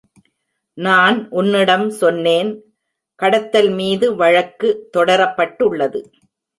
நான் உன்னிடம் சொன்னேன், கடத்தல் மீது வழக்கு தொடரப்பட்டுள்ளது.